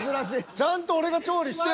ちゃんと俺が調理してるんです。